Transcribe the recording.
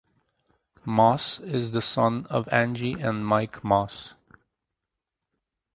Moss is the son of Angie and Mike Moss.